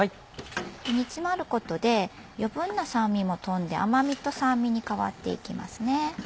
煮詰まることで余分な酸味も飛んで甘みと酸味に変わっていきますね。